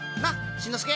しんのすけ！